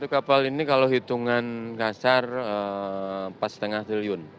satu kapal ini kalau hitungan kasar empat lima triliun